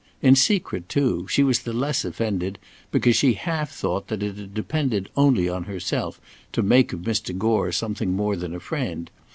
In secret, too, she was the less offended because she half thought that it had depended only on herself to make of Mr. Gore something more than a friend.